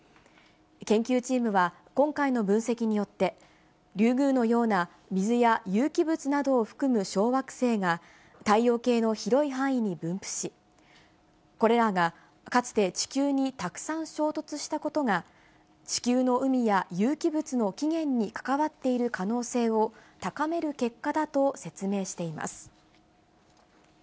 研究チームは今回の分析によって、リュウグウのような水や有機物などを含む小惑星が、太陽系の広い範囲に分布し、これらがかつて地球にたくさん衝突したことが、地球の海や有機物の起源に関わっている可能性を高める結果だと説明しています。